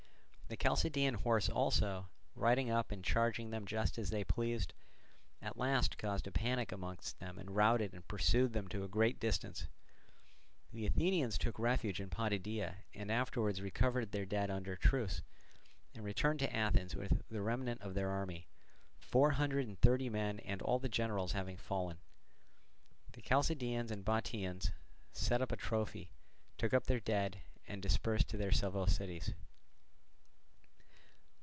The Chalcidian horse also, riding up and charging them just as they pleased, at last caused a panic amongst them and routed and pursued them to a great distance. The Athenians took refuge in Potidæa, and afterwards recovered their dead under truce, and returned to Athens with the remnant of their army; four hundred and thirty men and all the generals having fallen. The Chalcidians and Bottiaeans set up a trophy, took up their dead, and dispersed to their several cities.